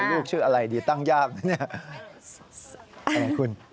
อยู่ชื่ออะไรดีตั้งยาก